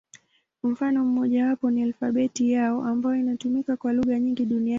Mfano mmojawapo ni alfabeti yao, ambayo inatumika kwa lugha nyingi duniani kote.